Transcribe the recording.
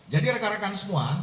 jadi rekan rekan semua